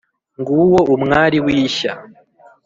nguwo umwari w’ishya